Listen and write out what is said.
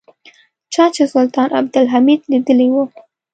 چا چې سلطان عبدالحمید لیدلی و.